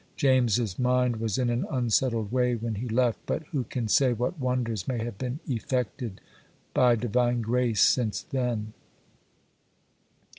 James's mind was in an unsettled way when he left; but who can say what wonders may have been effected by Divine grace since then?